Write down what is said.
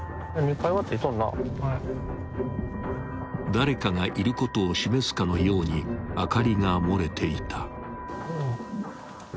［誰かがいることを示すかのように明かりが漏れていた］